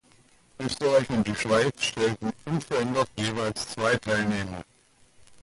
Österreich und die Schweiz stellten unverändert jeweils zwei Teilnehmer.